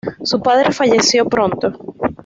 Su padre falleció pronto.